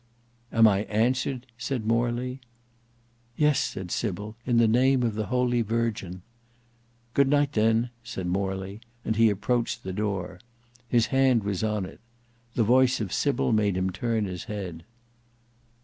"Am I answered?" said Morley. "Yes," said Sybil, "in the name of the holy Virgin." "Good night, then," said Morley, and he approached the door. His hand was on it. The voice of Sybil made him turn his head.